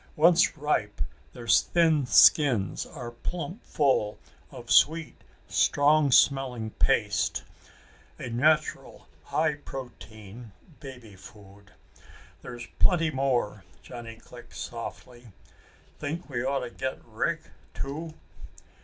Once ripe, their thin skins are plump full of a sweet strong smelling paste a natural high protein baby food. "There's plenty more," Johnny clicked softly. "Think we ought to get Rick, too?"